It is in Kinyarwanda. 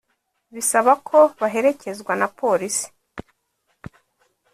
bisaba ko baherekezwa na polisi